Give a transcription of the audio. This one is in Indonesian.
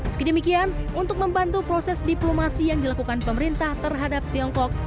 sekidemikian untuk membantu proses diplomasi yang dilakukan pemerintah terhadap tiongkok